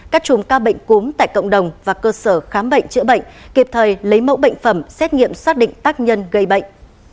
cắt chùm ca bệnh cúm tại cộng đồng và cơ sở khám bệnh chữa bệnh kịp thời lấy mẫu bệnh phẩm xét nghiệm xác định tác nhân gây bệnh